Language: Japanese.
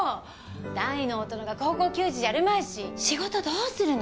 大の大人が高校球児じゃあるまいし仕事どうするの？